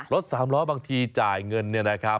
สามล้อบางทีจ่ายเงินเนี่ยนะครับ